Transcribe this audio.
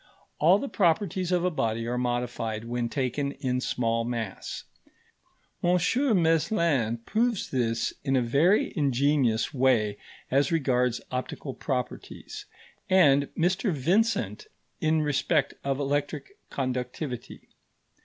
All the properties of a body are modified when taken in small mass; M. Meslin proves this in a very ingenious way as regards optical properties, and Mr Vincent in respect of electric conductivity.